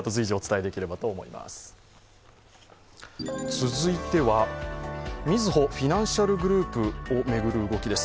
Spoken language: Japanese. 続いては、みずほフィナンシャルグループを巡る動きです。